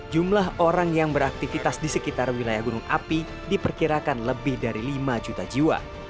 jumlah orang yang beraktivitas di sekitar wilayah gunung api diperkirakan lebih dari lima juta jiwa